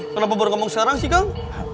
kenapa baru ngomong sekarang sih kang